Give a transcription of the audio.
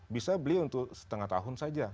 bisa beli untuk setengah tahun saja